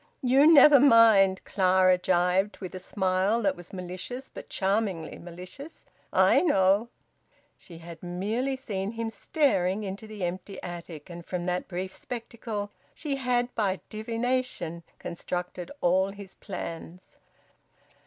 "You never mind!" Clara gibed, with a smile that was malicious, but charmingly malicious. "I know!" She had merely seen him staring into the empty attic, and from that brief spectacle she had by divination constructed all his plans.